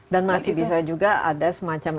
dan masih bisa juga ada semacam